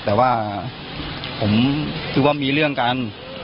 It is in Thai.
แต่ว่าผมคือว่ามีเรื่องกัน